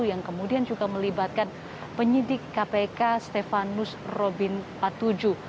yang kemudian juga melibatkan penyidik kpk stefanus robin patuju